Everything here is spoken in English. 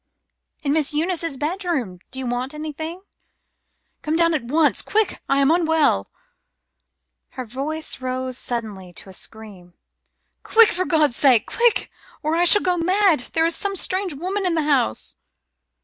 "In Miss Eunice's bedroom. Do you want anything?" "Come down at once. Quick! I am unwell." Her voice rose suddenly to a scream. "Quick! For God's sake! Quick, or I shall go mad. There is some strange woman in the house."